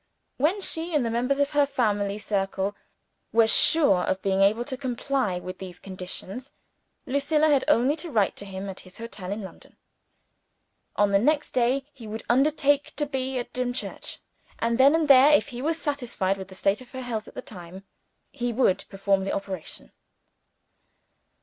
When she and the members of her family circle were sure of being able to comply with these conditions, Lucilla had only to write to him at his hotel in London. On the next day he would undertake to be at Dimchurch. And then and there (if he was satisfied with the state of her health at the time), he would perform the operation.